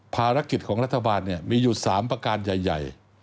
ภารกิจของรัฐบาลมีอยู่๓ประการใหญ่